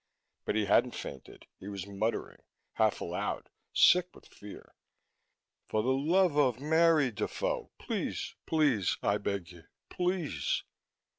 But he hadn't fainted. He was muttering, half aloud, sick with fear, "For the love of Mary, Defoe! Please, please, I beg you! Please!"